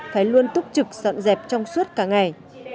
phải luôn túc trực dọn dẹp trong suốt cả ngày